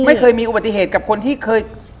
ไม่เคยมีอุบัติเหตุกับคนที่เคย